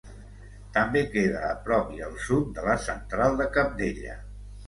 També queda a prop i al sud de la Central de Cabdella.